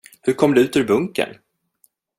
Hur kom du ut ur bunkern?